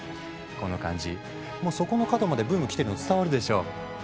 この感じもうそこの角までブーム来てるの伝わるでしょ？